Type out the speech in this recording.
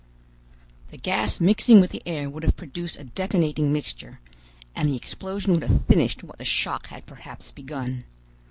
The gas mixing with the air would have produced a detonating mixture, and the explosion would have finished what the shock had perhaps begun.